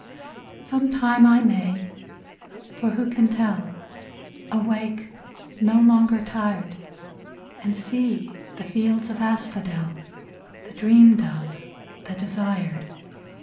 Sometime I may — for who can tell ?— Awake, no longer tired, And see the fields of asphodel, The dreamed of, the desired.